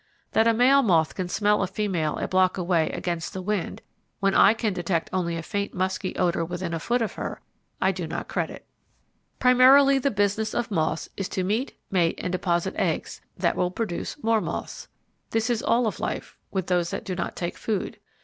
That a male moth can smell a female a block away, against the wind, when I can detect only a faint musky odour within a foot of her, I do not credit. Primarily the business of moths is to meet, mate, and deposit eggs that will produce more moths. This is all of life with those that do not take food.